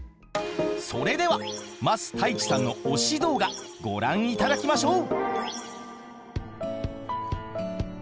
それでは桝太一さんの推し動画ご覧いただきましょう！